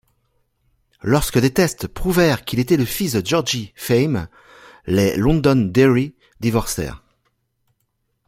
Lorsque des tests prouvèrent qu'il était le fils de Georgie Fame, les Londonderry divorcèrent.